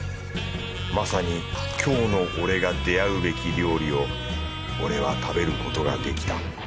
まさに今日の俺が出会うべき料理を俺は食べることができた。